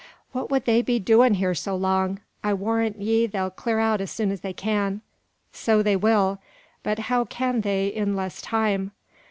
"What would they be doin' here so long? I warrant ye they'll clar out as soon as they can." "So they will; but how can they in less time?"